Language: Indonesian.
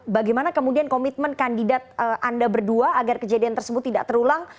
bagaimana kemudian komitmen kandidat anda berdua agar kejadian tersebut tidak terulang